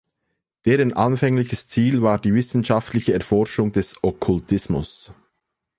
Deren anfängliches Ziel war die wissenschaftliche Erforschung des Okkultismus.